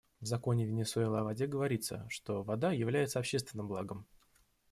В законе Венесуэлы о воде говорится, что вода является общественным благом.